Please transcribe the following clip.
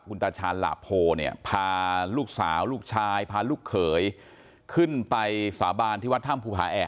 คุณตาชาญหลาโพเนี่ยพาลูกสาวลูกชายพาลูกเขยขึ้นไปสาบานที่วัดถ้ำภูผาแอก